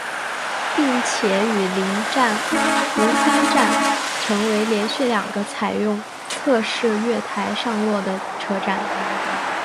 并且与邻站壶川站成为连续两个采用侧式月台上落的车站。